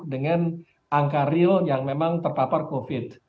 dengan angka real yang memang terpapar covid sembilan belas